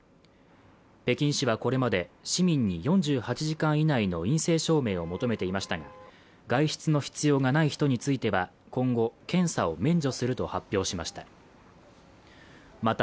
北京市はこれまで市民に４８時間以内の陰性証明を求めていましたが外出の必要がない人については今後検査を免除すると発表しました